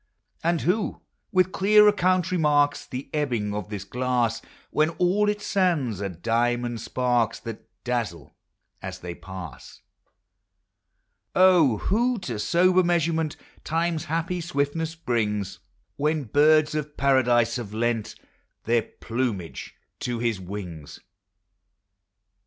And who, with clear account, remarks The ebbings of this glass, When all its sands are diamond sparks, That dazzle as they pass? O, who to sober measurement Time's happy swiftness brings, Digitized by Google FRIENDSHIP. 353 When birds of paradise have lent Their plumage to his wings?